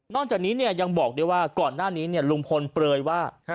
จากนี้ยังบอกด้วยว่าก่อนหน้านี้ลุงพลเปลยว่า